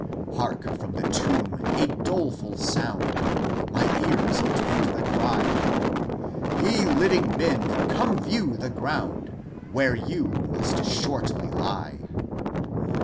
Hark from the tomb a doleful sound ! My ears attend the cry :Ye living men, come view the ground Where yon must shortly lie